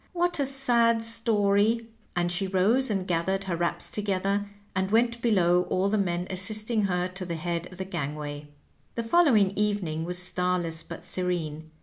What a sad story I " And she rose and gathered her wraps together and went below, all the men assisting her to the head of the gangway. The following evening was starless but serene.